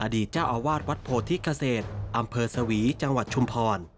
เจ้าอาวาสวัดโพธิเกษตรอำเภอสวีจังหวัดชุมพร